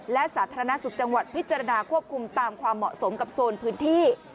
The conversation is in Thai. และสาธารณสุขจังหวัดพิจารณาควบคุมตามความเหมาะสมกับโซนพื้นที่